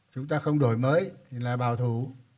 chúng ta không đổi mới là bảo thủ